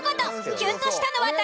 キュンとしたのは誰？